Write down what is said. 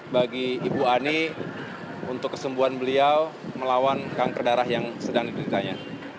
bagi ibu ani untuk kesembuhan beliau melawan kanker darah yang sedang dideritanya